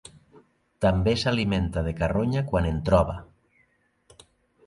També s'alimenta de carronya quan en troba.